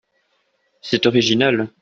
C’est original.